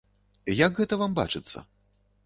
Як гэта вам бачыцца?